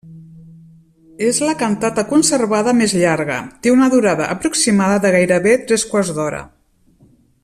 És la cantata conservada més llarga, té una durada aproximada de gairebé tres quarts d'hora.